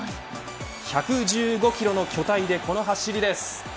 １１５キロの巨体でこの走りです。